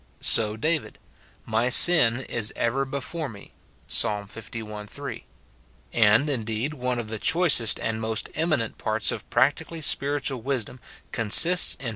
So David, " My sin is ever before me," Psa. li. 3. And, indeed, one of the choicest and most eminent parts of practically spiritual wisdom consists in SIN IN BELIEVERS.